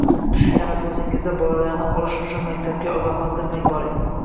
Tushlik tanaffusingizda bolalarni olish uchun maktabga ogohlantirmay boring